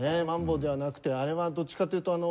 マンボではなくてあれはどっちかというと。